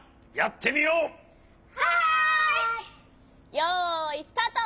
よいスタート！